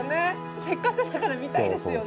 せっかくだから見たいですよね。